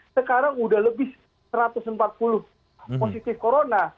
sekarang sudah lebih satu ratus empat puluh positif corona